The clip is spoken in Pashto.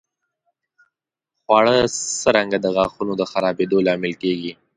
خواړه څرنګه د غاښونو د خرابېدو لامل کېږي؟